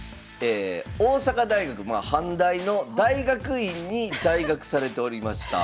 大阪大学まあ阪大の大学院に在学されておりました。